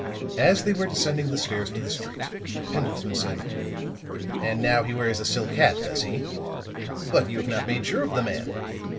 As they were descending the stairs to the street, Pendleton said: "And now he wears a silk hat, does he? But you have not made sure of the man.